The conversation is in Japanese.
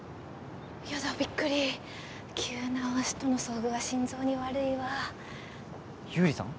やだびっくり急な推しとの遭遇は心臓に悪いわ優里さん？